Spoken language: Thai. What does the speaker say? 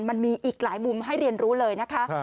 มันมีอีกหลายมุมให้เรียนรู้เลยนะคะ